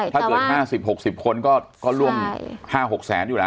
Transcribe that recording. ถ้าเกิด๕๐๖๐คนก็ล่วง๕๖แสนอยู่แล้ว